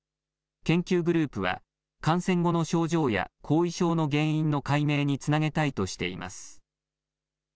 研究グループは、感染後の症状や後遺症の原因の解明につなげたいとしています。